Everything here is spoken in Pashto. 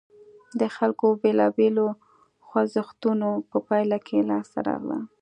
د خلکو بېلابېلو خوځښتونو په پایله کې لاسته راغله.